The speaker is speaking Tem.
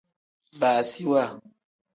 Baasiwa.